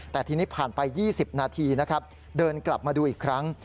แต่ทีนี้ผ่านไป๒๐นาทีนะครับเดินกลับมาดูอีกครั้ง